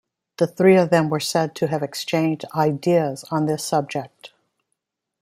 The three of them were said to have exchanged ideas on this subject.